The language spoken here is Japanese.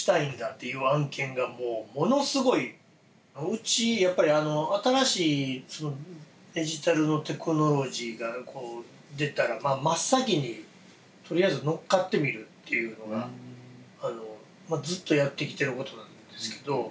うちやっぱりあの新しいデジタルのテクノロジーがこう出たらまあ真っ先にとりあえず乗っかってみるというのがまあずっとやってきてることなんですけど。